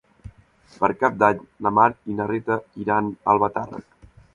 Per Cap d'Any na Mar i na Rita iran a Albatàrrec.